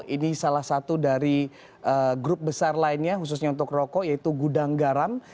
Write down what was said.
ini salah satu dari grup besar lainnya khususnya untuk rokok yaitu gudang garam